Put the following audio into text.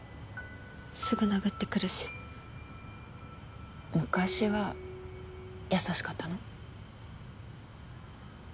すぐ殴ってくるし昔は優しかったの？